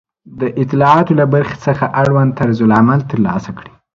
د اطلاعاتو له برخې څخه اړوند طرزالعمل ترلاسه کړئ